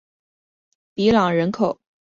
比朗人口变化图示